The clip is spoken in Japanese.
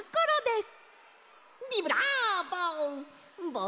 ビブラーボ！